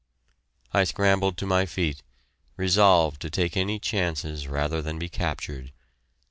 I scrambled to my feet, resolved to take any chances rather than be captured.